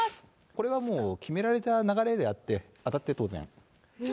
これはもう決められた流れであって、当たって当然。